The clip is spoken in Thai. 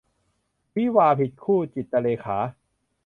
วิวาห์ผิดคู่ - จิตรเลขา